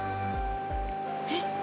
えっ？